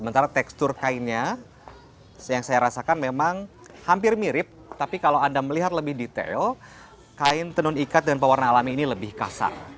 sementara tekstur kainnya yang saya rasakan memang hampir mirip tapi kalau anda melihat lebih detail kain tenun ikat dan pewarna alami ini lebih kasar